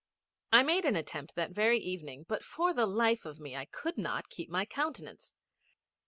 I made an attempt that very evening, but for the life of me I could not keep my countenance.